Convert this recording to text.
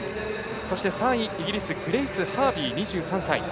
そして３位、イギリスグレイス・ハービー、２３歳。